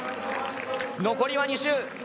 残りは２周。